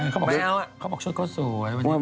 เขาบอกข้างบนกว่าชุดข้าวสวย